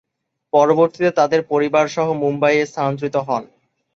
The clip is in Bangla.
পরবর্তীতে তাদের পরিবারসহ মুম্বাই-এ স্থানান্তরিত হন।